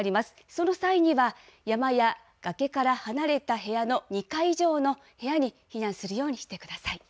その際には、山や崖から離れた部屋の２階以上の部屋に避難するようにしてください。